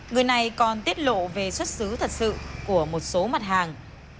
người này còn tiết lộ về xuất xứ thật sự của một số mặt hàng